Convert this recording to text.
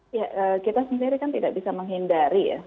ya kita sendiri kan tidak bisa menghindari ya